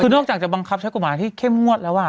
นอกจากจะบังคับใช้ตรงกรรมวรรดิ์ที่เข้มงวดแล้ว